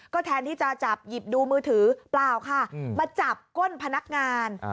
แทนที่จะจับหยิบดูมือถือเปล่าค่ะมาจับก้นพนักงาน